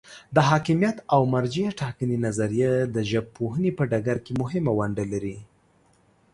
د حاکمیت او مرجع ټاکنې نظریه د ژبپوهنې په ډګر کې مهمه ونډه لري.